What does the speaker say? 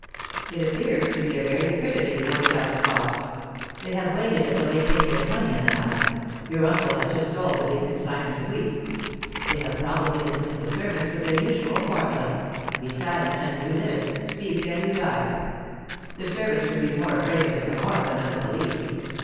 It appears to be a very prettily worked out plot. They have waited until they think there's money in the house; your uncle has just sold a big consignment of wheat. They have probably dismissed the servants with their usual formula: "Be silent, and you live; speak, and you die." The servants would be more afraid of the Camorra than of the police.